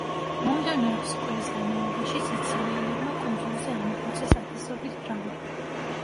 მომდევნო ექვსი კვირის განმავლობაში სიცილიელებმა კუნძულზე ამოხოცეს ათასობით ფრანგი.